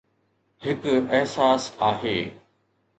هڪ احساس آهي